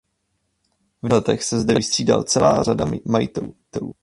V dalších letech se zde vystřídal celá řada majitelů.